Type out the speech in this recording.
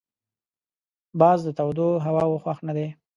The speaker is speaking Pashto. باز د تودو هواوو خوښ نه دی